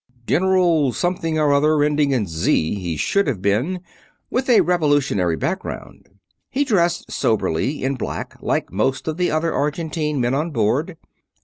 General Something or other ending in z he should have been, with a revolutionary background. He dressed somberly in black, like most of the other Argentine men on board.